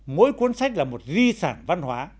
mỗi cuốn sách là một di sản văn hóa